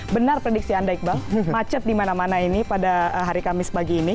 benar prediksi anda iqbal macet di mana mana ini pada hari kamis pagi ini